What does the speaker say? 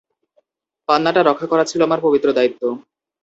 পান্নাটা রক্ষা করা ছিল আমার পবিত্র দায়িত্ব।